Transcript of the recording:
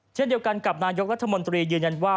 เช่นเดียวกันกับนายกรัฐมนตรียืนยันว่า